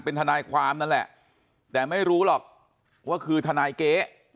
เป็นทนายความนั่นแหละแต่ไม่รู้หรอกว่าคือทนายเก๊